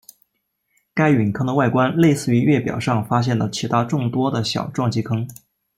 该陨坑的外观类似于月表上发现的其它众多的小撞击坑。